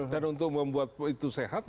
dan untuk membuat itu sehat